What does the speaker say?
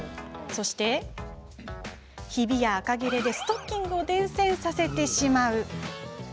ひびやあかぎれでストッキングを伝線させてしまう。